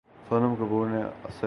سونم کپور نے اسل